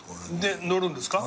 乗るんですか？